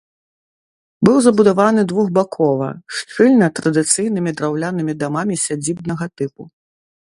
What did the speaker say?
Быў забудаваны двухбакова, шчыльна традыцыйнымі драўлянымі дамамі сядзібнага тыпу.